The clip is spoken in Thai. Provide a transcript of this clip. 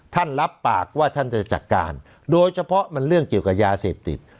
รับปากว่าท่านจะจัดการโดยเฉพาะมันเรื่องเกี่ยวกับยาเสพติด